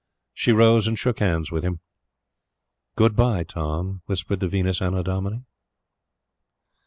She rose and shook hands with him. "Good bye, Tom," whispered the Venus Annodomini.